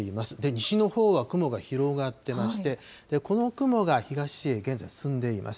西のほうは雲が広がってまして、この雲が東へ現在進んでいます。